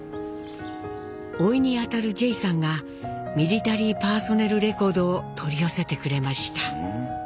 甥にあたるジェイさんが「ミリタリー・パーソネル・レコード」を取り寄せてくれました。